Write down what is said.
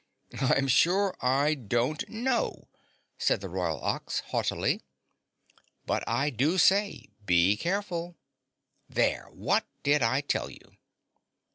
"I'm sure I don't know," said the Royal Ox haughtily. "But I do say, be careful. There, what did I tell you!"